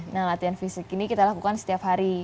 nah latihan fisik ini kita lakukan setiap hari